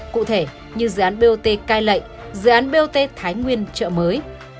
cụ thể như dự án bot cai lệ dự án bot thái nguyên chợ mới